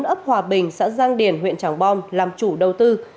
ấp hòa bình xã giang điển huyện tràng bom làm chủ đầu tư